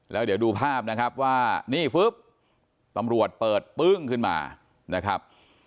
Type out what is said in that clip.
แล้วเดี๋ยวดูภาพนะครับว่านี่ปุ๊บตำรวจเปิดปึ้งขึ้นมานะครับ